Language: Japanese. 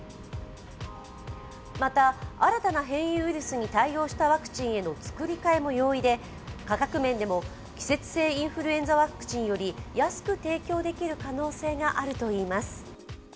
また新たな変異ウイルスに対応したワクチンへの作り替えも容易で価格面でも、季節性インフルエンザワクチンより安く提供できる可能性があるといいます。